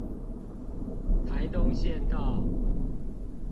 台東縣道